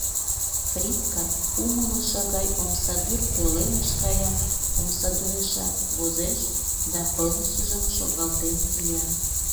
Фридка умылышо гай омсадӱр пӧлемыш кая, омсадӱрешак возеш да пылышыжым шогалтен кия.